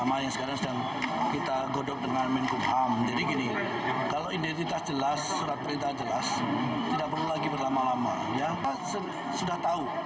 prosesnya berapa lama sih